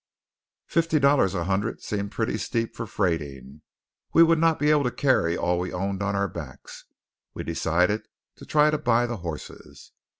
Fifty dollars a hundred seemed pretty steep for freighting; we would not be able to carry all we owned on our backs; we decided to try to buy the horses.